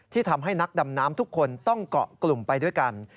ทำให้นักดำน้ำทุกคนต้องเกาะกลุ่มไปด้วยกัน